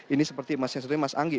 ini seperti mas yang satunya mas anggi